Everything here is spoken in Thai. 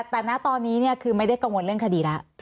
แต่ตอนนี้เนี่ยคือไม่ได้กังวลเรื่องคดีละ